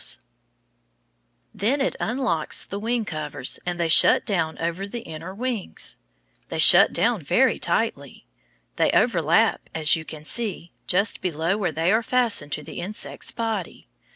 Then it unlocks the wing covers and they shut down over the inner wings. They shut down very tightly. They overlap, as you can see, just below where they are fastened to the insect's body.